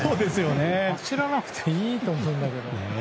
走らなくていいと思うんだけど。